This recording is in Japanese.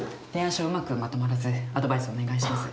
書うまくまとまらずアドバイスお願いします。